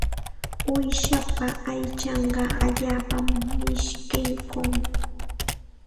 Uushapa aychanqa allaapam mishkiykun.